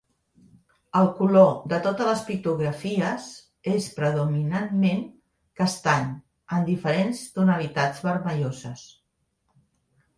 El color de totes les pictografies és predominantment castany amb diferents tonalitats vermelloses.